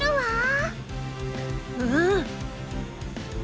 うん！